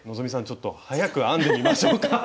ちょっと速く編んでみましょうか。